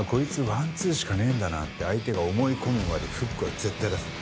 ワンツーしかねえんだなって相手が思い込むまでフックは絶対出すな。